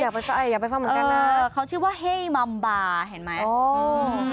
อยากไปสายอยากไปฟังเหมือนกันนะเออเขาชื่อว่าเฮ้ยมัมบาเห็นไหมอ๋อ